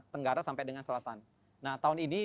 tenggara sampai dengan selatan nah tahun ini